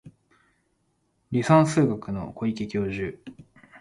離散数学の小池教授